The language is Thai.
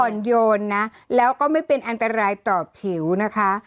โยนนะแล้วก็ไม่เป็นอันตรายต่อผิวนะคะ